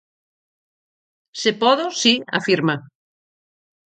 "Se podo, si", afirma.